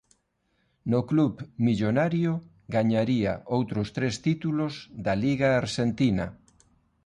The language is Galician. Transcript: No club "Millonario" gañaría outros tres títulos da Liga Arxentina.